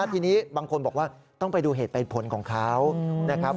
ทีนี้บางคนบอกว่าต้องไปดูเหตุเป็นผลของเขานะครับ